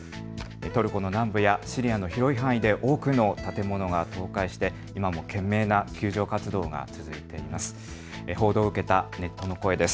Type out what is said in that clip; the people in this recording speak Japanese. トルコ南部やシリアの広い範囲で多くの建物が倒壊して今も懸命な救助活動が続いています。